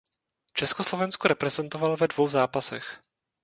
Československo reprezentoval ve dvou zápasech.